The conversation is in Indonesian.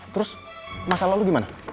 terus masalah lo gimana